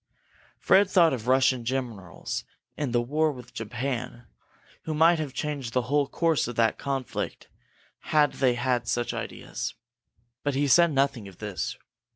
Fred thought of Russian generals in the war with Japan who might have changed the whole course of that conflict had they had such ideas. But he said nothing of this.